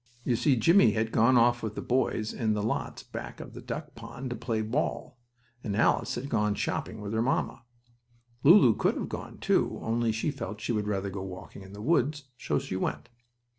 You see, Jimmie had gone off with the boys in the lots back of the duck pond to play ball, and Alice had gone shopping with her mamma. Lulu could have gone, too, only felt she would rather go walking in the woods, so she went.